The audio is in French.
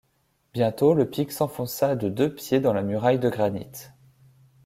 Bientôt le pic s’enfonça de deux pieds dans la muraille de granit.